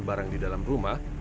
barang di dalam rumah